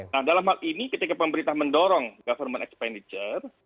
nah dalam hal ini ketika pemerintah mendorong government expenditure